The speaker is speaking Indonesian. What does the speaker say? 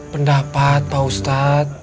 pendapat pak ustadz